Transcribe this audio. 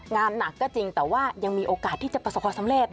งานหนักก็จริงแต่ว่ายังมีโอกาสที่จะประสบความสำเร็จ